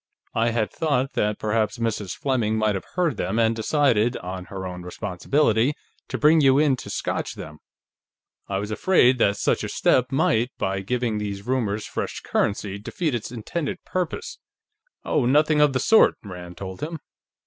I had thought that perhaps Mrs. Fleming might have heard them, and decided, on her own responsibility, to bring you in to scotch them; I was afraid that such a step might, by giving these rumors fresh currency, defeat its intended purpose." "Oh, nothing of the sort!" Rand told him.